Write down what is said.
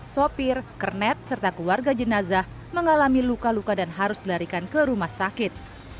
sopir kernet serta keluarga jenazah mengalami luka luka dan harus dilarikan ke rumah sakit